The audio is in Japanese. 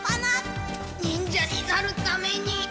忍者になるために。